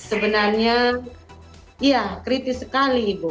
sebenarnya ya kritis sekali ibu